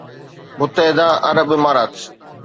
متحده عرب امارات